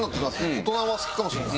大人は好きかもしれない。